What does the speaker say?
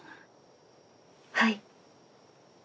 はい。